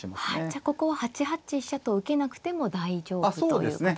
じゃあここは８八飛車と受けなくても大丈夫ということですね。